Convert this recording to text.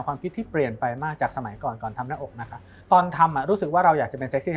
ความคิดที่เปลี่ยนไปมากจากสมัยก่อนก่อนทำหน้าอกนะคะตอนทำอ่ะรู้สึกว่าเราอยากจะเป็นเซ็กซี่